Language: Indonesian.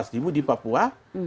lima belas ribu di papua